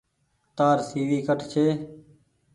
تآر سي وي ڪٺ ڇي۔